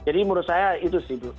jadi menurut saya itu sih